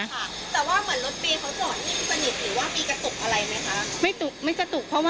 แต่ว่าเหมือนรถเมย์เขาจอดนิ่งสนิทหรือว่ามีกระตุกอะไรไหมคะ